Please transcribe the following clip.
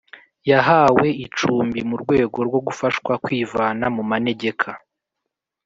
Yahawe icumbimu rwego rwo gufashwa kwivana mu manegeka